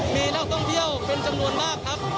มีนักท่องเที่ยวเป็นจำนวนมากครับ